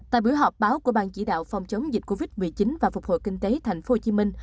tại buổi họp báo của ban chỉ đạo phòng chống dịch covid một mươi chín và phục hội kinh tế tp hcm